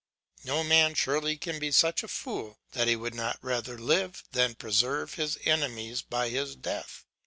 ] No man surely can be such a fool that he would not rather live than preserve his enemies by his death.